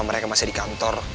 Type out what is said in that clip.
mereka masih di kantor